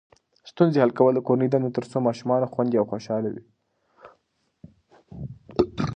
ستونزې حل کول د کورنۍ دنده ده ترڅو ماشومان خوندي او خوشحاله وي.